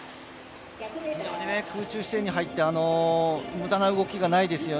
非常に空中姿勢に入って無駄な動きがないですよね。